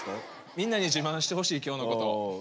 みんなに自慢してほしい今日のことを。